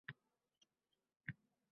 Ming oltmish to’qqiz